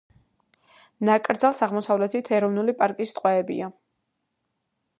ნაკრძალს აღმოსავლეთით ეროვნული პარკის ტყეებია.